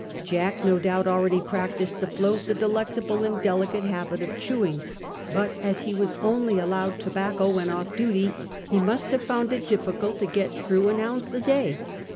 Jack, no doubt, already practised afloat the delectable and delicate habit of chewing, but as he was only allowed tobacco when ofl* duty, he must have found it difficult to get through an ounce a day.